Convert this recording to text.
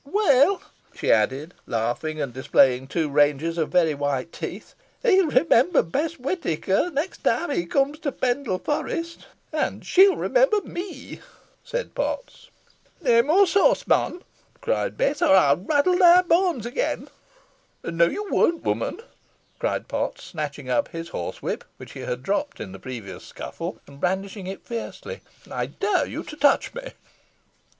Weel," she added, laughing, and displaying two ranges of very white teeth, "he'll remember Bess Whitaker, t' next time he comes to Pendle Forest." "And she'll remember me," rejoined Potts. "Neaw more sawce, mon," cried Bess, "or ey'n raddle thy boans again." "No you won't, woman," cried Potts, snatching up his horsewhip, which he had dropped in the previous scuffle, and brandishing it fiercely. "I dare you to touch me."